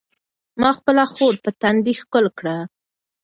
ما خپله خور په تندي ښکل کړه.